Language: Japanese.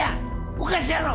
おかしいやろ！